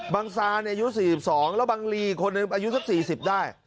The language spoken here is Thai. บางซาอายุ๔๒แล้วบางลีคนอายุสัก๔๐ได้